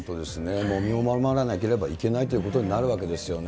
もう身を守らなければいけないということになるわけですよね。